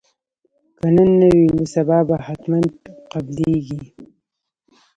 که نن نه وي نو سبا به حتما قبلیږي